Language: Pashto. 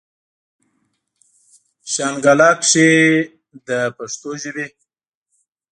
شانګله کښې د پښتو ژبې